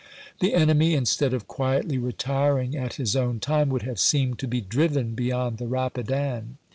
The enemy, instead of quietly retiring at his own time, would have seemed to be driven beyond the Rapidan.